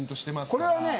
これはね。